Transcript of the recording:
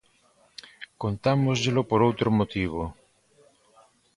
Contámosllelo por outro motivo.